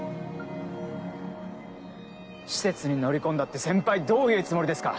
施設に乗り込んだって先輩どういうつもりですか！？